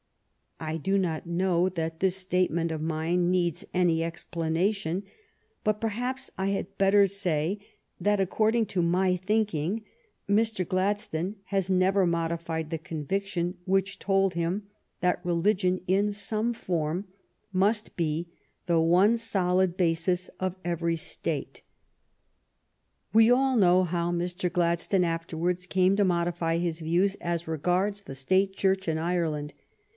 '' I do not know that this statement of mine needs any ex planation, but perhaps I had better say that, according to my thinking, Mr. Gladstone has never modified the conviction which told him that religion in some form must be the one solid basis of every State. We all know how Mr. Gladstone afterwards came to modify his views as regards the State Church in Ireland.